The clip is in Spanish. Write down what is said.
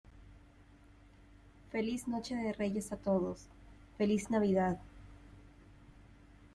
feliz noche de Reyes a todos. feliz Navidad .